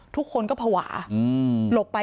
ทุกคนก็ผวา